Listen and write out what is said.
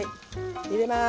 入れます。